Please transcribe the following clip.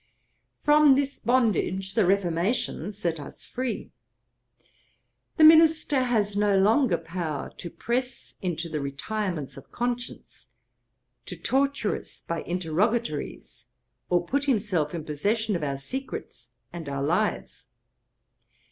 'From this bondage the Reformation set us free. The minister has no longer power to press into the retirements of conscience, to torture us by interrogatories, or put himself in possession of our secrets and our lives.